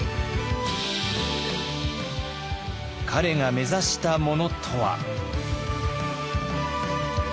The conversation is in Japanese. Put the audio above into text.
彼が目指したものとは？